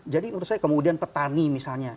jadi menurut saya kemudian petani misalnya